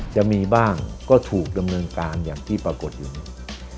จะมีบ้างก็ถูกดำเนินการอย่างที่ปรากฏอยู่เนี่ย